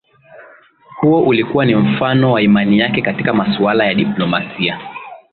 Huo ulikuwa ni mfano wa imani yake katika masuala ya diplomasia